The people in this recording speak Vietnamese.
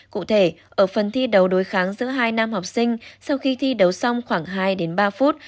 cụ thể ở phần thi đấu đối kháng giữa hai nam học sinh sau khi thi đấu xong khoảng hai đến ba phút